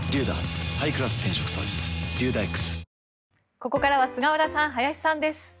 ここからは菅原さん、林さんです。